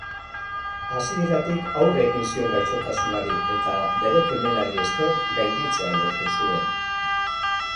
Hasieratik aurre egin zion gaixotasunari eta bere kemenari esker gainditzea lortu zuen.